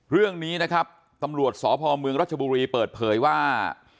เรื่องนี้นะครับตำรวจสพเมืองรัชบุรีเปิดเผยว่า